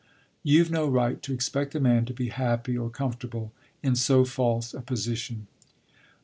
You've no right to expect a man to be happy or comfortable in so false a position.